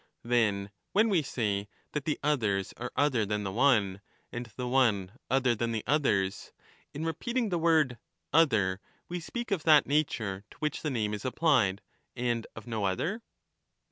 Then when we say that the others are other than the one, and the one other than the others, in repeating the word 'other* we speak of that nature to which the name is applied, and of no other